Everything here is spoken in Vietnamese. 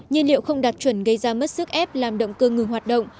nhiên liệu không đạt chuẩn gây ra mất sức ép làm động cơ ngừng hoạt động